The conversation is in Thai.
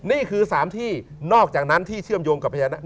นี่คือ๓ที่นอกจากนั้นที่เชื่อมโยงกับพญานาค